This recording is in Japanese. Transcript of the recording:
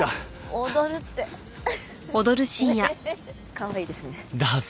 かわいいですね。